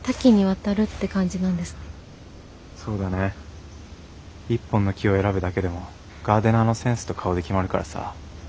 そうだね一本の木を選ぶだけでもガーデナーのセンスと顔で決まるからさ。